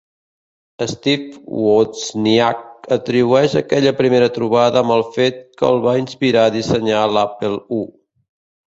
Steve Wozniak atribueix aquella primera trobada amb el fet que el va inspirar a dissenyar l'Apple I.